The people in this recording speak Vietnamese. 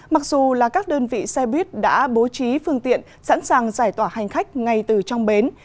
mặc dù là các đơn vị xe buýt đã bố trí phương tiện sẵn sàng giải tỏa hành khách ngay từ trong bến